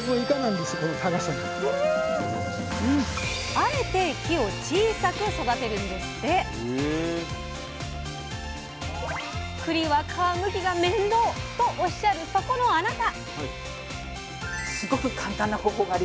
あえて木を「小さく」育てるんですって！とおっしゃるそこのあなた！